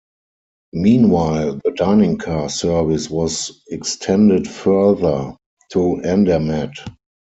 Meanwhile, the dining car service was extended further, to Andermatt.